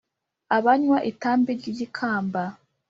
abanywa itabi ry'igikamba